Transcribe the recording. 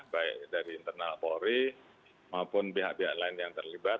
baik dari internal polri maupun pihak pihak lain yang terlibat